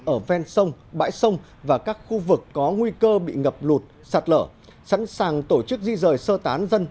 ở ven sông bãi sông và các khu vực có nguy cơ bị ngập lụt sạt lở sẵn sàng tổ chức di rời sơ tán dân